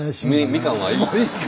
みかんはいい。